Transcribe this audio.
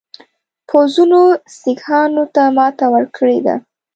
پوځونو سیکهانو ته ماته ورکړې ده.